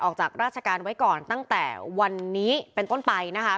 ออกจากราชการไว้ก่อนตั้งแต่วันนี้เป็นต้นไปนะคะ